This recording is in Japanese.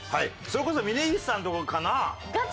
それこそ峯岸さんとかかな？